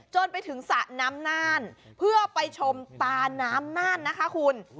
จนไปถึงสระน้ำน่านเพื่อไปชมตาน้ำน่านนะคะคุณ